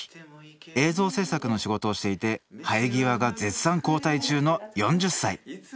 映像制作の仕事をしていて生え際が絶賛後退中の４０歳！